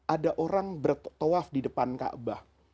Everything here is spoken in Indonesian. ada orang bertawaf di depan kaabah